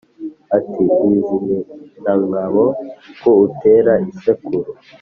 Ati : Rwizihirangabo, ko utera isekuru